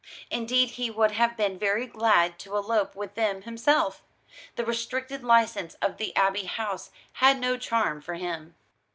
Indeed he would have been very glad to elope with them himself. The restricted license of the Abbey House had no charm for him.